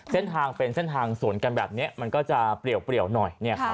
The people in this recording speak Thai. เส้นทางเป็นเส้นทางสวนกันแบบนี้มันก็จะเปรียวหน่อย